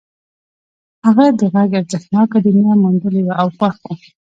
هغه د غږ ارزښتناکه دنيا موندلې وه او خوښ و.